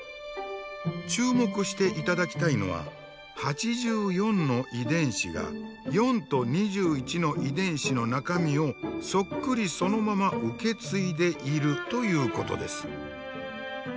注目して頂きたいのは８４の遺伝子が４と２１の遺伝子の中身をそっくりそのまま受け継いでいるということです。